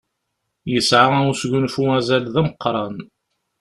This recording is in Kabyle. Yesɛa usgunfu azal d ameqqṛan.